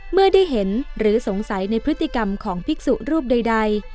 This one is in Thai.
เมื่อได้เห็นหรือสงสัยในพฤติกรรมของภิกษุรูปใด